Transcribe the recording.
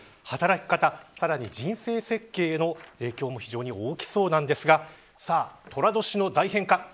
働き方、さらに人生設計への影響も非常に大きそうなんですが寅年の大変化